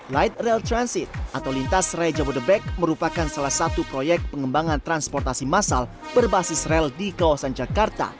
light rail transit atau lintas raya jabodebek merupakan salah satu proyek pengembangan transportasi massal berbasis rel di kawasan jakarta